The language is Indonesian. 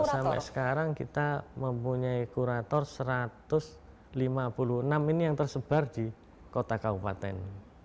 sampai sekarang kita mempunyai kurator satu ratus lima puluh enam ini yang tersebar di kota kabupaten